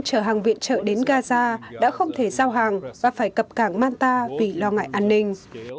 chở hàng viện trợ đến gaza đã không thể giao hàng và phải cập cảng manta vì lo ngại an ninh